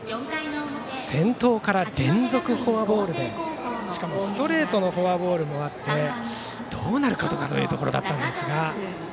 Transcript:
先頭から連続フォアボールでしかもストレートのフォアボールもあってどうなるかというところだったんですが。